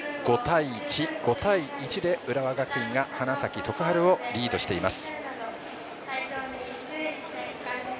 ５対１で浦和学院が花咲徳栄をリードしています。